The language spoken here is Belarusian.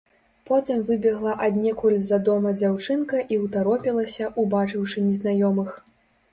Потым выбегла аднекуль з-за дома дзяўчынка і ўтаропілася, убачыўшы незнаёмых.